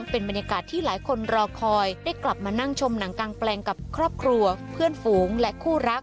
เป็นบรรยากาศที่หลายคนรอคอยได้กลับมานั่งชมหนังกางแปลงกับครอบครัวเพื่อนฝูงและคู่รัก